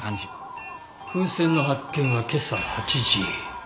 風船の発見は今朝８時。